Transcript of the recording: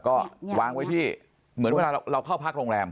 ก็วางไว้ที่เหมือนเวลาเราเข้าพักโรงแรม